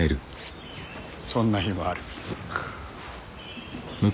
そんな日もある。